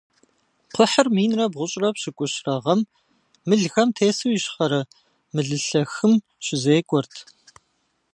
Кхъухьыр минрэ бгъущӏрэ пщыкӏущрэ гъэм мылхэм тесу Ищхъэрэ Мылылъэхым щызекӀуэрт.